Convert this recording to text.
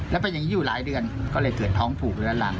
แล้วเป็นอย่างนี้อยู่หลายเดือนก็เลยเกิดท้องถูกเรื้อรัง